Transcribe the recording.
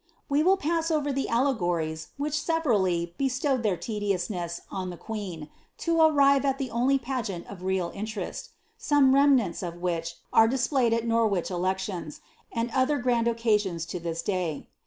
We will pass over tlie allegories which aevenilly " bestowed thtir tediousneas" on the queen, to arrive at ih« only pageant of real interest, some remnants of which are displayed at Norwich elections, and other grand occasions, to this day.